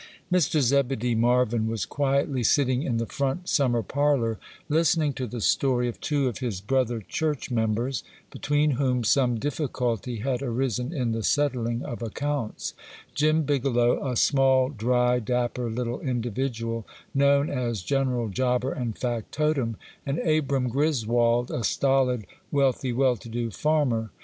Mr. Zebedee Marvyn was quietly sitting in the front summer parlour, listening to the story of two of his brother church members, between whom some difficulty had arisen in the settling of accounts: Jim Bigelow, a small, dry, dapper little individual, known as general jobber and factotum, and Abram Griswold, a stolid, wealthy, well to do farmer.